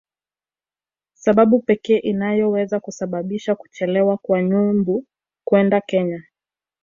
sababu pekee inayoweza kusababisha kuchelewa kwa Nyumbu kwenda Kenya